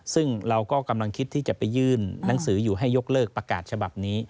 ซึ่งเราก็กำลังคิดที่จะไปยื่นหนังสืออยู่ให้ยกเลิกประกาศฉบับนี้